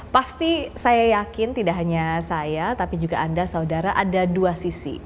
pasti saya yakin tidak hanya saya tapi juga anda saudara ada dua sisi